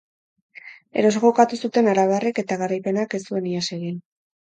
Eroso jokatu zuten arabarrek eta garaipenak ez zuen ihes egin.